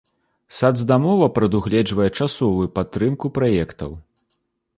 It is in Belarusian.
Сацдамова прадугледжвае часовую падтрымку праектаў.